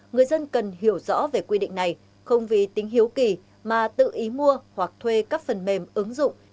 người dân cần hiểu rõ về quy định này không vì tính hiếu kỳ mà tự ý mua hoặc thuê các phần mềm ứng dụng